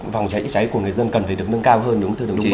vòng cháy của người dân cần phải được nâng cao hơn